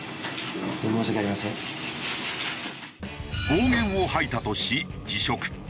暴言を吐いたとし辞職。